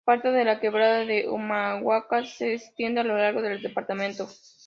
Parte de la Quebrada de Humahuaca se extiende a lo largo del departamento.